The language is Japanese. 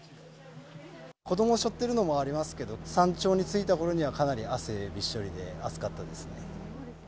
子どもしょってるのもありますけど、山頂に着いたころにはかなり汗びっしょりで暑かったですね。